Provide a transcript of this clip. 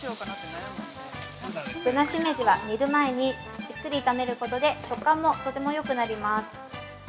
ぶなしめじは、煮る前にじっくり炒めることで食感もとてもよくなります。